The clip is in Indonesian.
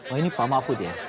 oh ini pak mahfud ya